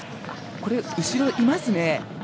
これ後ろいますね。